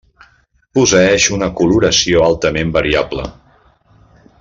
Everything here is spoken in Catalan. Posseeix una coloració altament variable.